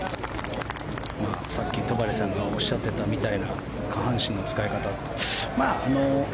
さっき、戸張さんがおっしゃってたみたいな下半身の使い方。